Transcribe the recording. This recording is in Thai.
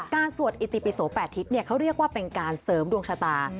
สวดอิติปิโส๘ทิศเขาเรียกว่าเป็นการเสริมดวงชะตา